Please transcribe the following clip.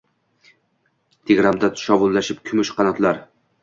Tegramda shovullab kumush qanotlar